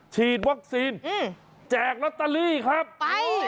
ฉีดวัคซีนแจกลอตเตอรี่ครับไป